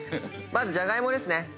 まずじゃがいもですね。